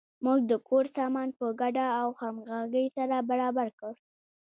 موږ د کور سامان په ګډه او همغږۍ سره برابر کړ.